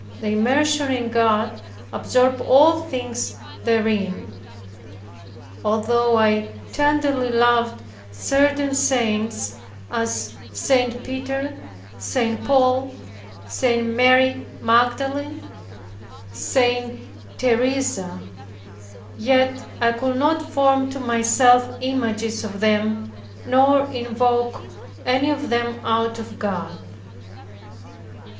This immersion in God absorbed all things therein. Although I tenderly loved certain saints, as St. Peter, St. Paul, St. Mary Magdalene, St. Teresa, yet I could not form to myself images of them, nor invoke any of them out of God.